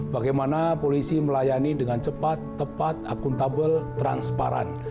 bagaimana polisi melayani dengan cepat tepat akuntabel transparan